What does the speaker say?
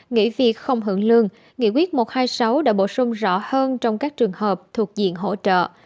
nghỉ việc không hưởng lương nghị quyết một trăm hai mươi sáu đã bổ sung rõ hơn trong các trường hợp thuộc diện hỗ trợ